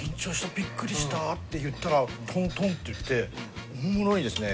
びっくりした」って言ったらトントンっていっておもむろにですね